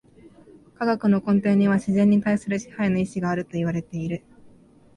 科学の根底には自然に対する支配の意志があるといわれている。